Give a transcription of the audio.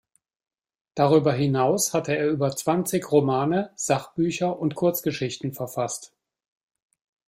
Darüber hinaus hat er über zwanzig Romane, Sachbücher und Kurzgeschichten verfasst.